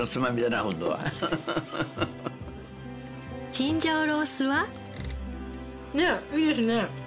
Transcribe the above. チンジャオロースは？ねえいいですね。